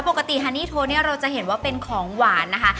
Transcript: ฮานีโทเนี่ยเราจะเห็นว่าเป็นของหวานนะคะ